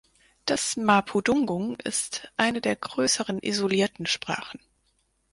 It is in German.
Das Mapudungun ist eine der größeren isolierten Sprachen.